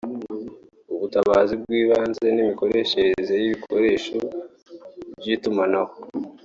ubutabazi bw’ibanze n’imikoreshereze y’ibikoresho by’itumanaho